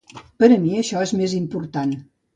Per a mi això és més important.